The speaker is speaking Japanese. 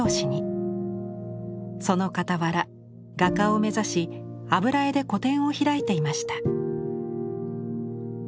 そのかたわら画家を目指し油絵で個展を開いていました。